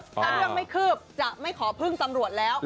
นาทียังไม่คืบจะไม่ขอพึ่งตำรวจแล้ว